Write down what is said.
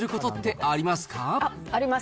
あります。